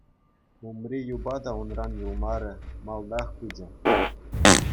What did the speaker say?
Умри юпа та унран юлмарӗ, малтах пычӗ.